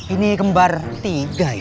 ini kembar tiga ya